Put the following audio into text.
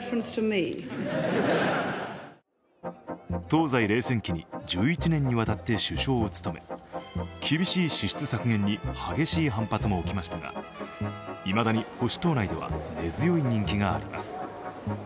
東西冷戦期に１１年にわたって首相を務め、厳しい支出削減に激しい反発も起きましたがいまだに保守党内では根強い人気があります。